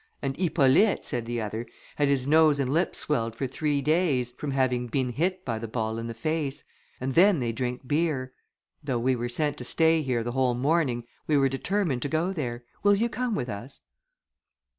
"And Hippolyte," said the other, "had his nose and lips swelled for three days, from having been hit by the ball, in the face; and then they drink beer. Though we were sent to stay here the whole morning, we were determined to go there; will you come with us?"